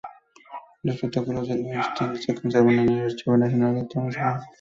Los protocolos del Løgting se conservan en el Archivo Nacional de Tórshavn.